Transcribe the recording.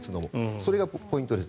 それがポイントです。